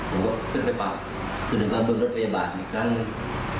ผมก็ขึ้นไปพร้อมขึ้นไปพร้อมรถพยาบาลอีกครั้งหนึ่ง